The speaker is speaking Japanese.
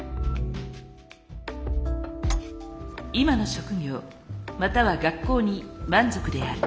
今の職業または学校に満足である。